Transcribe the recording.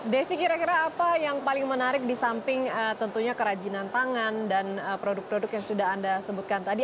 desi kira kira apa yang paling menarik di samping tentunya kerajinan tangan dan produk produk yang sudah anda sebutkan tadi